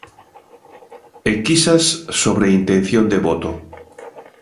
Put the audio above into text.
Enquisas sobre intención de voto.